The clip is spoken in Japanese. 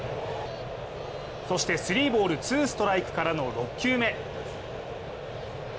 そして、３ボール・２ストライクからの６球目。